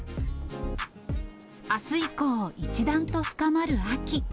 あす以降、一段と深まる秋。